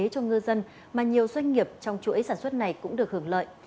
cho ngư dân mà nhiều doanh nghiệp trong chuỗi sản xuất này cũng được hưởng lợi